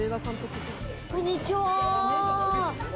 こんにちは。